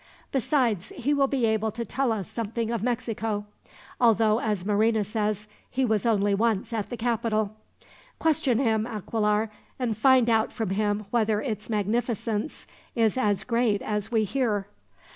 Besides, he will be able to tell us something of Mexico; although, as Marina says, he was only once at the capital. "Question him, Aquilar, and find out from him whether its magnificence is as great as we hear."